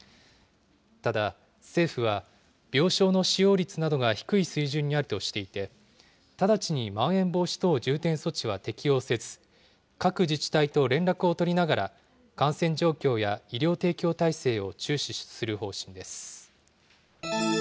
ただ、政府は病床の使用率などが低い水準にあるとしていて、ただちにまん延防止等重点措置は適用せず、各自治体と連絡を取りながら、感染状況や医療提供体制を注視する方針です。